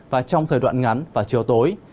và trong thời đoạn ngắn và chiều tối